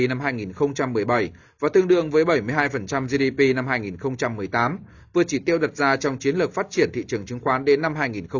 năm hai nghìn một mươi bảy và tương đương với bảy mươi hai gdp năm hai nghìn một mươi tám vượt chỉ tiêu đặt ra trong chiến lược phát triển thị trường chứng khoán đến năm hai nghìn hai mươi